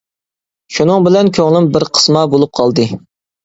شۇنىڭ بىلەن كۆڭلۈم بىر قىسما بولۇپ قالدى.